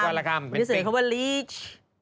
เป็นปลิ้งอันนี้เสนอเขาว่าลีช